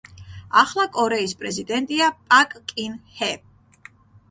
ახლა კორეის პრეზიდენტია პაკ კინ ჰე.